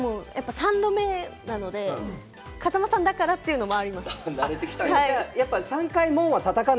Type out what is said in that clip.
３度目なので風間さんだからっていうのもあります。